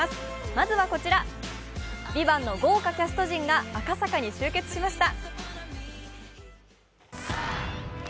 まずはこちら、「ＶＩＶＡＮＴ」の豪華キャスト陣が赤坂に集結しました。